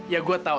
ya gue tau